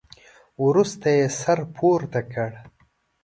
وروسته يې سر پورته کړ.